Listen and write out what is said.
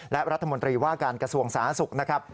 และรัฐมนตรีว่าการกระทรวงสาธารณสุขนะครับ